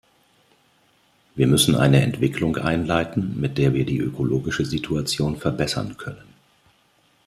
Wir müssen eine Entwicklung einleiten, mit der wir die ökologische Situation verbessern können.